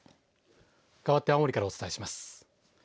かわって青森からお伝えします。